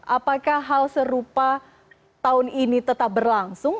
apakah hal serupa tahun ini tetap berlangsung